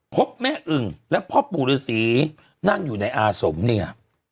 พบแม่อึ่งและพ่อปู่ฤษีนั่งอยู่ในอาสมเนี่ย